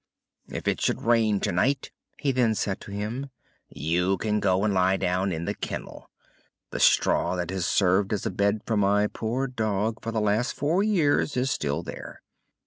"If it should rain tonight," he then said to him, "you can go and lie down in the kennel; the straw that has served as a bed for my poor dog for the last four years is still there.